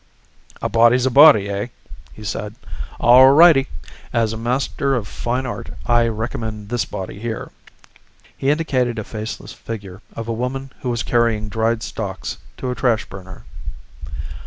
"A body's a body, eh?" he said. "All righty. As a master of fine art, I recommend this body here." He indicated a faceless figure of a woman who was carrying dried stalks to a trash burner.